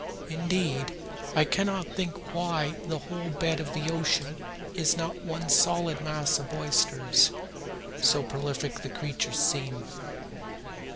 Indeed, I cannot think why the whole bed of the ocean is not one solid mass of oysters, so prolific the creatures seem.